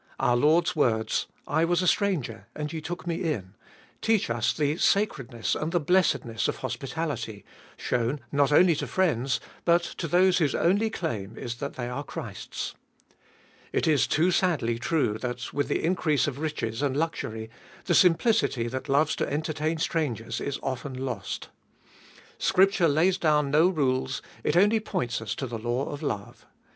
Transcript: Our Lord's words : I was a stranger, and ye took Me in, teach us the sacredness and the blessedness of hospitality, shown not only to friends, but to those whose only claim is that they are Christ's. It is too sadly true that, with the increase of riches and luxury, the simplicity that loves to entertain strangers is often lost. Scripture lays down no rules, it only points us to the law of love.